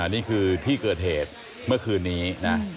นี่คือที่เกิดเหตุเมื่อคืนนี้นะ